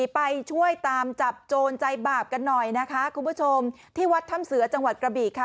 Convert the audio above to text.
ไปช่วยตามจับโจรใจบาปกันหน่อยนะคะคุณผู้ชมที่วัดถ้ำเสือจังหวัดกระบีค่ะ